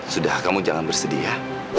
sudah kamu jangan bersedih ya